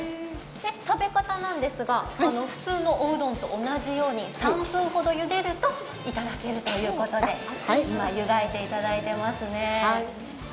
食べ方なんですが、普通のおうどんと同じように３分ほど茹でるといただけるということで今湯がいていただいていますね。